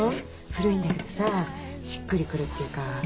古いんだけどさしっくりくるっていうか。